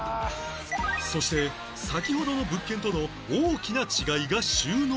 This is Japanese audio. そして先ほどの物件との大きな違いが収納スペース